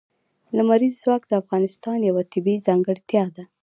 لمریز ځواک د افغانستان یوه طبیعي ځانګړتیا ده.